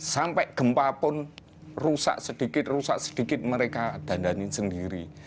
sampai gempa pun rusak sedikit rusak sedikit mereka dandanin sendiri